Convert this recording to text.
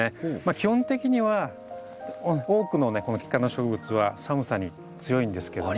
基本的には多くのキク科の植物は寒さに強いんですけども。